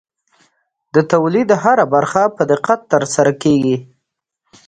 د تولید هره برخه په دقت ترسره کېږي.